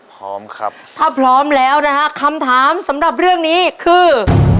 พร้อมครับถ้าพร้อมแล้วนะฮะคำถามสำหรับเรื่องนี้คือ